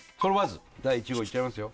第１号第１号いっちゃますよ